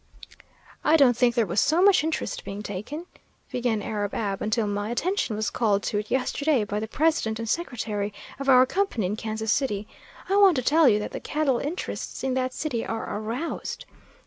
"I didn't think there was so much interest being taken," began Arab Ab, "until my attention was called to it yesterday by the president and secretary of our company in Kansas City. I want to tell you that the cattle interests in that city are aroused.